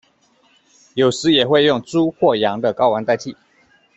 有时也会用猪或羊的睾丸代替。